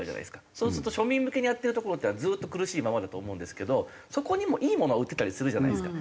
そうすると庶民向けにやってるところっていうのはずっと苦しいままだと思うんですけどそこにもいいものは売ってたりするじゃないですか。